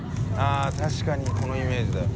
確かにこのイメージだよ。